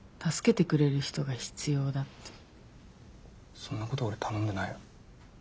そんなこと俺頼んでないよ。